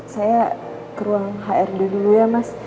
saya ke ruang hrd dulu ya mas